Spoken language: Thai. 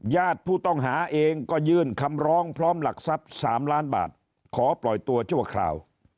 ญาติผู้ต้องหาเองก็ยื่นคำร้องพร้อมหลักทรัพย์๓ล้านบาทขอปล่อยตัวชั่วคราว